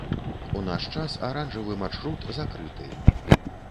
У наш час аранжавы маршрут закрыты.